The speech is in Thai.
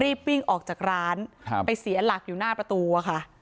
วิ่งออกจากร้านครับไปเสียหลักอยู่หน้าประตูอะค่ะ